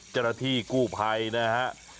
เจ้าหน้าที่กู้ภัยนะฮะ